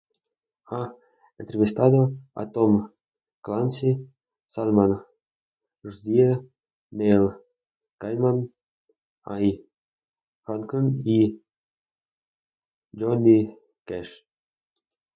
Ha entrevistado a Tom Clancy, Salman Rushdie, Neil Gaiman, Al Franken y Johnny Cash.